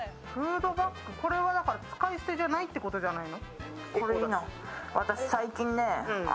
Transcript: これは使い捨てじゃないってことじゃないの？